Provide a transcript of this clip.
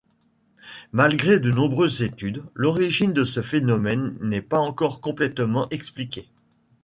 Malgré de nombreuses études, l’origine de ce phénomène n’est pas encore complètement expliquée.